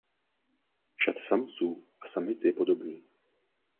Šat samců a samic je podobný.